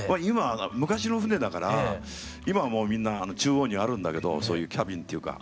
昔の船だから今はもうみんな中央にあるんだけどそういうキャビンっていうか。